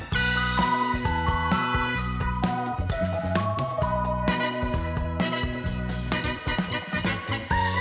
ดูอยู่นิดนิด